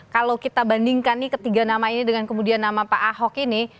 kalau kita bandingkan nih ketiga nama ini dengan kemudian nama pak ahok ini